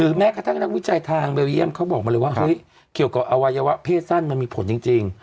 แม้กระทั่งนักวิจัยทางเบลเยี่ยมเขาบอกมาเลยว่าเฮ้ยเกี่ยวกับอวัยวะเพศสั้นมันมีผลจริง